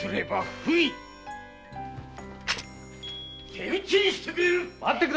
手討ちにしてくれる！